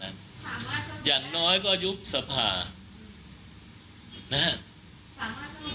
สามารถสมมติอย่างน้อยก็ยุบสภานะฮะ